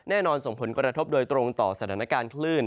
ส่งผลกระทบโดยตรงต่อสถานการณ์คลื่น